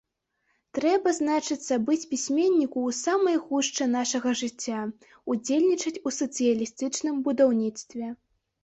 Трэба, значыцца, быць пісьменніку ў самай гушчы нашага жыцця, удзельнічаць у сацыялістычным будаўніцтве.